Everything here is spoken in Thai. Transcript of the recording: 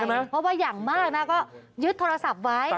เพราะว่าอย่างมากนะก็ยึดโทรศัพท์ไว้